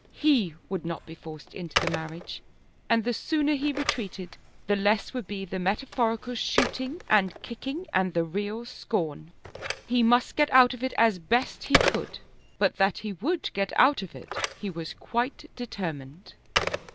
He would not be forced into the marriage, and the sooner he retreated the less would be the metaphorical shooting and kicking and the real scorn. He must get out of it as best he could; but that he would get out of it he was quite determined.